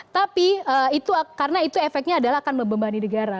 tapi itu karena itu efeknya adalah akan membebani negara